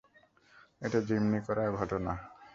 এটা জিম্মি করার ঘটনা।